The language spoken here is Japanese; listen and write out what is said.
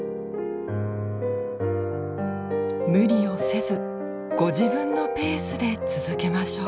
無理をせずご自分のペースで続けましょう。